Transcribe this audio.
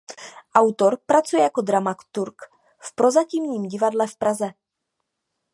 Autor pracuje jako dramaturg v Prozatímním divadle v Praze.